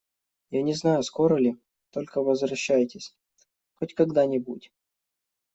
Я не знаю, скоро ли, Только возвращайтесь… хоть когда-нибудь.